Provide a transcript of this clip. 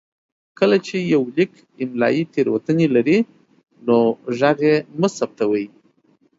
کله چې يو ليک املايي تېروتنې لري نو غږ يې مه ثبتوئ.